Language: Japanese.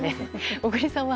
小栗さんは？